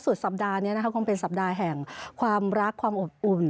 สุดสัปดาห์นี้นะคะคงเป็นสัปดาห์แห่งความรักความอบอุ่น